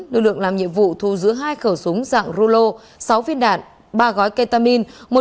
lực lượng làm nhiệm vụ thu giữ hai khẩu súng dạng rulo sáu viên đạn ba gói ketamin